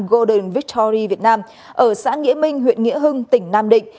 golden victory việt nam ở xã nghĩa minh huyện nghĩa hưng tỉnh nam định